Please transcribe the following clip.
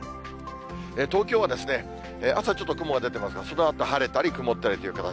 東京は朝、ちょっと雲が出てますが、そのあと晴れたり曇ったりという形。